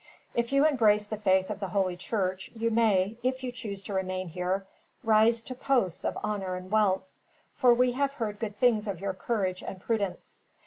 If you embrace the faith of the Holy Church you may, if you choose to remain here, rise to posts of honor and wealth; for we have heard good things of your courage and prudence.